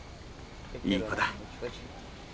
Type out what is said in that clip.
いい子だ。